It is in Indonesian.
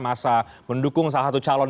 masa mendukung salah satu calon